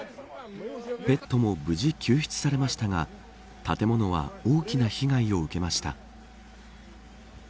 ペットも無事救出されましたが建物は大きな被害を受けました。